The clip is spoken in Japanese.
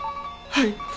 はい。